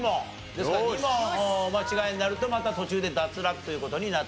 ですから２問お間違えになるとまた途中で脱落という事になってしまいます。